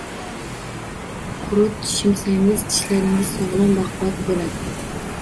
Qurut shimsangiz, tishlaringiz sog‘lom, baquvvat bo‘ladi.